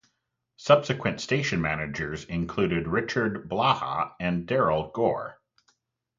Subsequent station managers included Richard Blaha and Darrell Gorr.